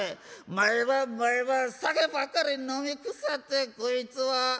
「毎晩毎晩酒ばっかり飲みくさってこいつは。